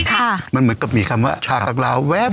มันเหมือนกับมีคำว่าชากังลาวแวบ